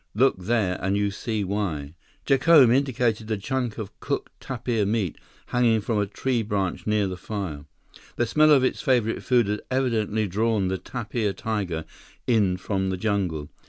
Look there and you see why!" Jacome indicated a chunk of cooked tapir meat, hanging from a tree branch near the fire. The smell of its favorite food had evidently drawn the "tapir tiger" in from the jungle.